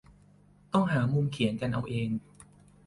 ต้องหามุมเขียนกันเอาเอง